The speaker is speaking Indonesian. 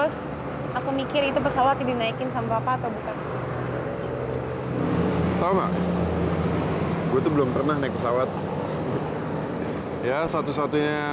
sampai jumpa di video selanjutnya